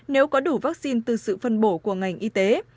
nếu có đủ vaccine từ sự phân bổ của ngành y tế